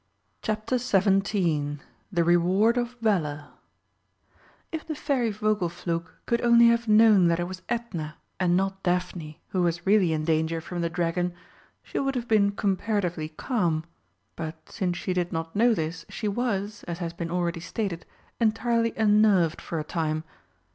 CHAPTER XVII THE REWARD OF VALOUR If the Fairy Vogelflug could only have known that it was Edna and not Daphne who was really in danger from the dragon, she would have been comparatively calm. But since she did not know this, she was, as has been already stated, entirely unnerved for a time.